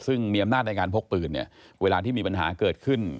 ซึ่งมีอำนาจในการพกปืนเนี่ยเวลาที่มีปัญหาเกิดขึ้น